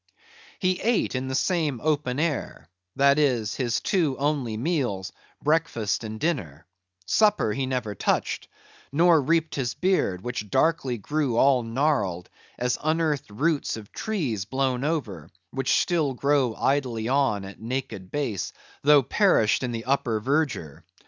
He ate in the same open air; that is, his two only meals,—breakfast and dinner: supper he never touched; nor reaped his beard; which darkly grew all gnarled, as unearthed roots of trees blown over, which still grow idly on at naked base, though perished in the upper verdure.